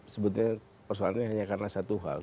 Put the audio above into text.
sebetulnya persoalannya hanya karena satu hal